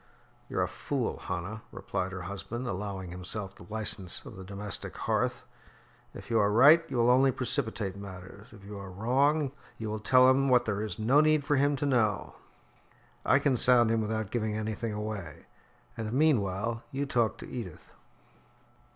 "You're a fool, Hannah," replied her husband, allowing himself the licence of the domestic hearth. "If you are right, you will only precipitate matters; if you are wrong, you will tell him what there is no need for him to know. Leave the matter to me. I can sound him without giving anything away, and meanwhile you talk to Edith."